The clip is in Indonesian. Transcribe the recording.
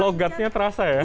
logatnya terasa ya